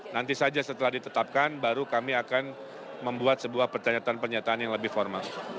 nanti saja setelah ditetapkan baru kami akan membuat sebuah pernyataan pernyataan yang lebih formal